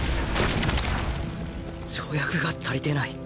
跳躍が足りてない？